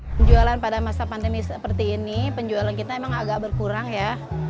penjualan pada masa pandemi seperti ini penjualan kita emang agak berkurang ya